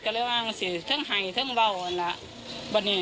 ก็เลยวางสิทั้งหายทั้งเบาอ่อนละ